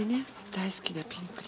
大好きなピンクで。